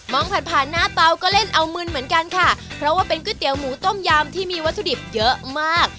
ผ่านผ่านหน้าเตาก็เล่นเอามึนเหมือนกันค่ะเพราะว่าเป็นก๋วยเตี๋ยวหมูต้มยำที่มีวัตถุดิบเยอะมาก